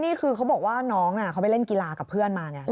ที่คือเขาบอกว่าน้องน่ะเขาไปเล่นกีฬากับเพื่อนมาอย่างนี้